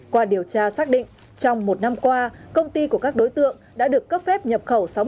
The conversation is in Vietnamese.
qua điều tra xác định trong một năm qua công ty của các đối tượng đã được cấp phép nhập khẩu